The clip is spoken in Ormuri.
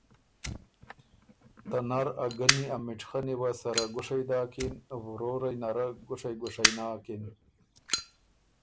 ته نر ا ګنی ا مِټخنی وه سره ګُشئ داکِن ورورئ نره ګُشئ ګُشئ ناکِن